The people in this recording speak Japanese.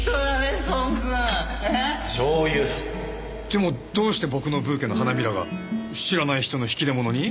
でもどうして僕のブーケの花びらが知らない人の引き出物に？